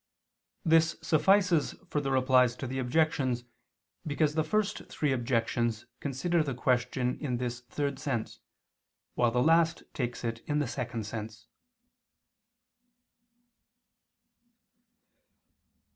This suffices for the Replies to the Objections, because the first three objections consider the question in this third sense, while the last takes it in the second sense.